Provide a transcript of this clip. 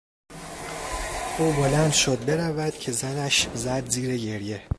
او بلند شد برود که زنش زد زیر گریه.